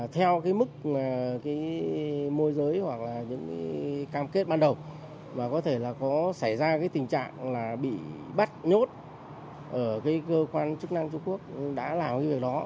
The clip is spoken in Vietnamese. theo mức môi giới hoặc cam kết ban đầu có thể có xảy ra tình trạng bị bắt nhốt ở cơ quan chức năng trung quốc đã làm việc đó